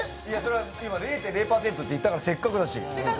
今、０．００％って言ったからせっかくだし。